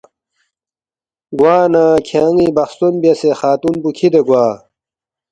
گوانہ کھیان٘ی بخستون بیاسے خاتون پو کِھدے گوا